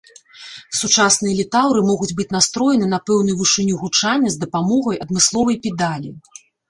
Сучасныя літаўры могуць быць настроены на пэўную вышыню гучання з дапамогай адмысловай педалі.